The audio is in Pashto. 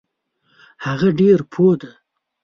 هغه ډیر پوه دی.